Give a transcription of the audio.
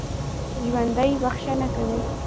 ژوندي بښنه کوي